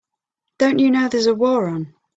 Don't you know there's a war on?